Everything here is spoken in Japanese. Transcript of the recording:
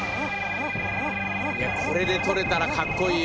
いやこれで取れたらかっこいいよ。